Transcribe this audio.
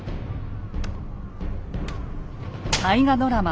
大河ドラマ